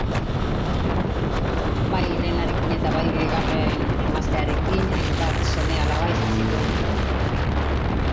Bai lehenarekin eta bai bigarren emaztearekin hainbat seme-alaba izan zituen.